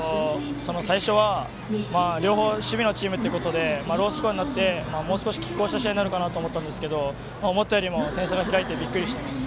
最初は両方守備のチームなのでロースコアになってもう少しきっ抗した試合になるかなと思ったんですけど思ったよりも点差が開いてびっくりしています。